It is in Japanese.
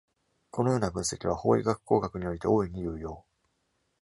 このような分析は、法医学工学において大いに有用。